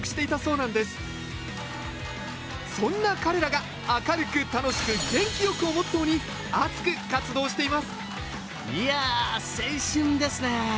そんな彼らが「明るく楽しく元気よく」をモットーに熱く活動していますいや青春ですね。